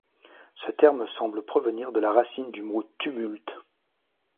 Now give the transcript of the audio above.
Ce terme semble provenir de la racine du mot tumulte.